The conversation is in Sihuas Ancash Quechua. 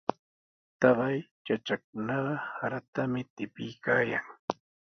Taqay chachakunaqa saratami tipiykaayan.